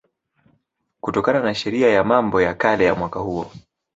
kutokana na Sheria ya Mambo ya Kale ya mwaka huo